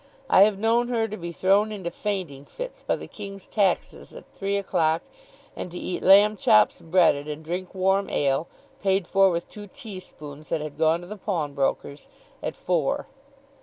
I have known her to be thrown into fainting fits by the king's taxes at three o'clock, and to eat lamb chops, breaded, and drink warm ale (paid for with two tea spoons that had gone to the pawnbroker's) at four.